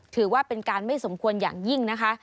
ถือว่าเป็นการไม่สมควรอย่างยิ่งนะคะ